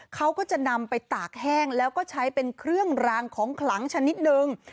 เขาก็จะนำไปตากแห้งแล้วก็ใช้เป็นเครื่องรางของขลังชนิดนึง